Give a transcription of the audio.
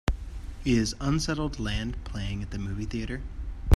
Is Unsettled Land playing at the movie theatre